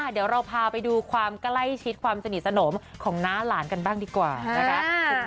เดี๋ยวเราพาไปดูความใกล้ชิดความสนิทสนมของน้าหลานกันบ้างดีกว่านะคะ